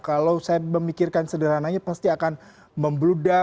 kalau saya memikirkan sederhananya pasti akan membludak